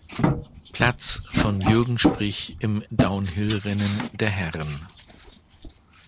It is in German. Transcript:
Platz von Jürgen Sprich im Downhill-Rennen der Herren.